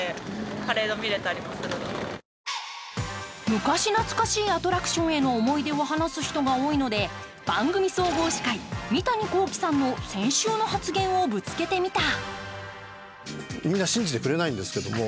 昔懐かしいアトラクションへの思い出を話す人が多いので番組総合司会、三谷幸喜さんの先週の発言をぶつけてみた。